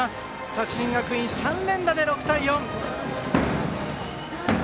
作新学院、３連打で６対４。